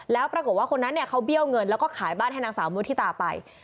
แล้วปรากฏว่าคนนั้นเนี่ยเขาเบี้ยวเงินแล้วก็ขายบ้านให้นางสาวมุฒิตาไป